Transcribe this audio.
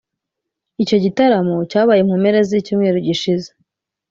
Icyo gitaramo cyabaye mu mpera z’icyumweru gishize